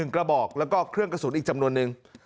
กระบอกแล้วก็เครื่องกระสุนอีกจำนวนนึง